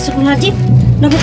sukun najib nombor aku